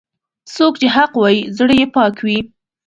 څوک چې حق وايي، زړه یې پاک وي.